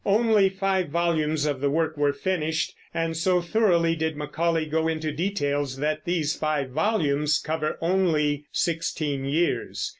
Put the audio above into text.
Only five volumes of the work were finished, and so thoroughly did Macaulay go into details that these five volumes cover only sixteen years.